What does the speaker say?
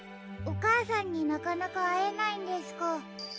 おかあさんになかなかあえないんですか。